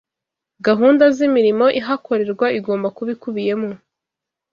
gahunda z’imirimo ihakorerwa igomba kuba ikubiyemo